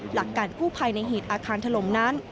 หลักการกู้ภัยในเหตุอาคารถล่มนั้น